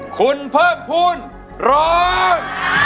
คุณเพิ่มพุนร้อง